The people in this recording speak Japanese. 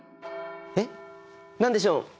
えっ何でしょう？